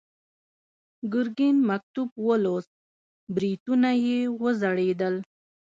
ګرګين مکتوب ولوست، برېتونه يې وځړېدل.